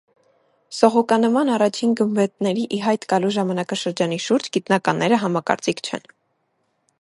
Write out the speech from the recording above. Սոխուկանման առաջին գմբեթների ի հայտ գալու ժամանակաշրջանի շուրջ գիտնականները համակարծիք չեն։